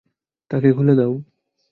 তাকে খুলে দাও।